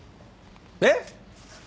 えっ！？